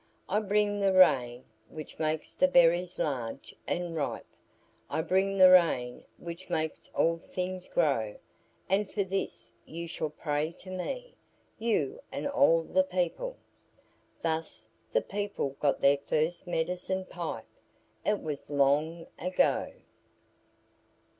I bring the rain which makes the berries large and ripe. I bring the rain which makes all things grow, and for this you shall pray to me; you and all the people." Thus the people got their first medicine pipe. It was long ago.